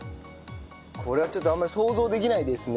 これはちょっとあんまり想像できないですね。